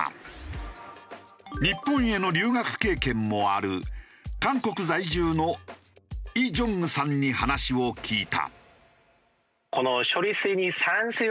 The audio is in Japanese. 日本への留学経験もある韓国在住のイ・ジョングさんに話を聞いた。